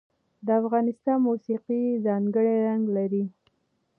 د افغانستان موسیقي ځانګړی رنګ لري.